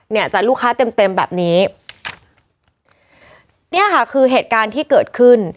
เนี่ยจัดลูกค้าเต็มเต็มแบบนี้เนี่ยค่ะคือเหตุการณ์ที่เกิดขึ้น